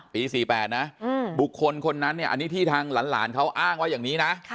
ปี๔๘นะบุคคลคนนั้นเนี่ยอันนี้ที่ทางหลานเขาอ้างว่าอย่างนี้นะ